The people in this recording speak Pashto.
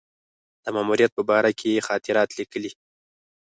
د ماموریت په باره کې یې خاطرات لیکلي.